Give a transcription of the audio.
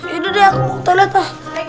ya udah deh aku mau ke toilet tuh